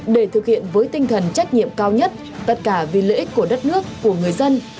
để thực hiện với tinh thần trách nhiệm cao nhất tất cả vì lợi ích của đất nước của người dân